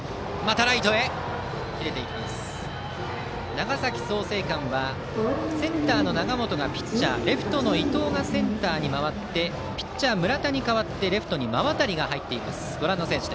長崎・創成館はセンターの永本がピッチャーレフトの伊藤がセンターに回ってピッチャー、村田に代わってレフトに馬渡が入っています。